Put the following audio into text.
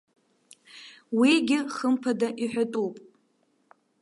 Уигьы, хымԥада, иҳәатәуп.